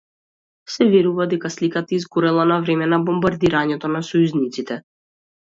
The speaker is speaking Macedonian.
Се верува дека сликата изгорела за време на бомбардирањето на сојузниците.